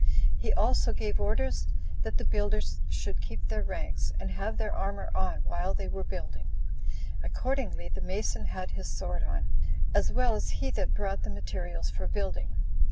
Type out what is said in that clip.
He also gave orders that the builders should keep their ranks, and have their armor on while they were building. Accordingly, the mason had his sword on, as well as he that brought the materials for building.